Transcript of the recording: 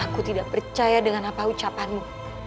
aku tidak percaya dengan apa ucapanmu